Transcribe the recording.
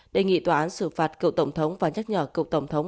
đề nghị tòa án xử phạt cựu tổng thống và nhắc nhở cựu tổng thống